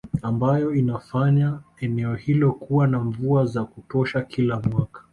Ambayo inalifanya eneo hilo kuwa na mvua za kutosha kila mwaka